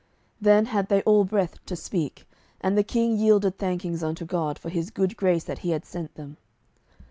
Then had they all breath to speak, and the King yielded thankings unto God for His good grace that He had sent them.